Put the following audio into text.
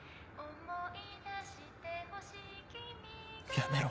やめろ。